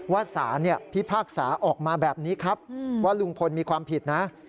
สารพิพากษาออกมาแบบนี้ครับว่าลุงพลมีความผิดนะ